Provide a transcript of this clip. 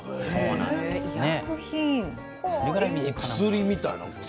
薬みたいなもの？